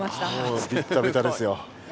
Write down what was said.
もうビッタビタですよ。